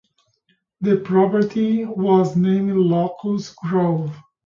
The property was named Locust Grove.